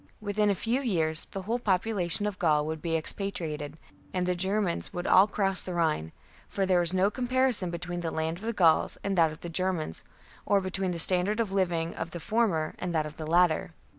Within a few years the whole popu lation of Gaul would be expatriated, and the Germans would all cross the Rhine ; for there was no comparison between the land of the Gauls and that of the Germans, or between the standard of living of the former and that of the latter.